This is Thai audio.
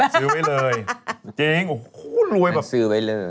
ซื้อไว้เลยจริงโคตรรวย